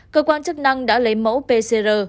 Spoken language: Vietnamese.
cơ quan chức năng đã lấy mẫu pcr